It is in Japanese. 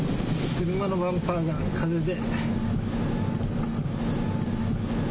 車のバンパーが風で。